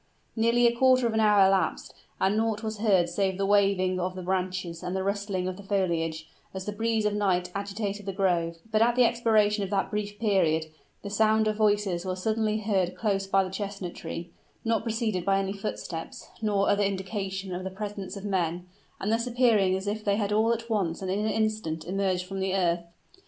Nearly a quarter of an hour elapsed, and naught was heard save the waving of the branches and the rustling of the foliage, as the breeze of night agitated the grove; but at the expiration of that brief period, the sound of voices was suddenly heard close by the chestnut tree not preceded by any footsteps nor other indication of the presence of men and thus appearing as if they had all at once and in an instant emerged from the earth.